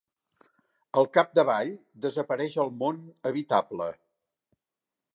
Al capdavall, desapareix el món habitable.